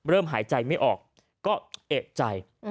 เริ่มหายใจไม่ออกก็เอ๊ะใจ